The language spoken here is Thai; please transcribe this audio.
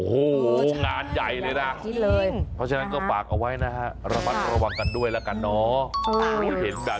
โหหวงานใหญ่เลยนะเพราะฉะนั้นก็ปากเอาไว้นะฮะระวังกันด้วยละกันเนอะ